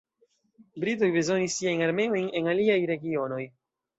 Britoj bezonis siajn armeojn en aliaj regionoj.